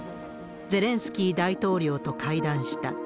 ゼレンスキー大統領と会談した。